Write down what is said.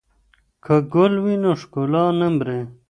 که ګل وي نو ښکلا نه مري.